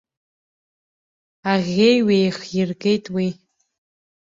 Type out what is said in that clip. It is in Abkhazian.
Аӷьеҩ ҩеихиргеит уи.